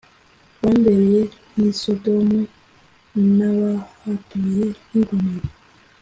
bambereye nk i sodomu n abahatuye nk i gomora